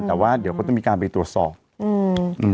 แต่ว่าเดี๋ยวเขาจะมีการไปตรวจสอบอืม